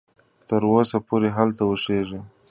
تر اوسه پوري هلته اوسیږي.